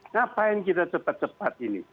ngapain kita cepat cepat ini